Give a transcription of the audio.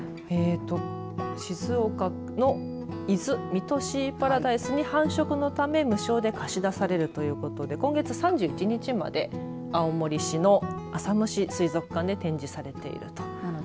静岡の伊豆・三津シーパラダイスに繁殖のため無償で貸し出されるということで今月３１日まで青森市の浅虫水族館で展示されているということ。